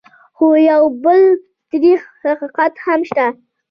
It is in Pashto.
خو یو بل تريخ حقیقت هم شته: